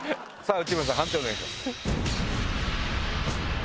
内村さん判定をお願いします。